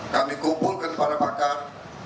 kami kumpulkan para pakar